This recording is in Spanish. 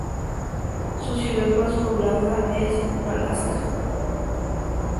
Su ciudad más poblada es Unalaska.